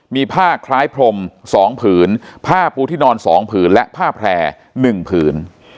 มีผ้าคล้ายพรมสองผืนผ้าปูทินอนสองผืนและผ้าแพร่หนึ่งผืน